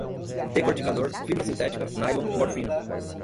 decorticador, fibra sintética, nylon, morfina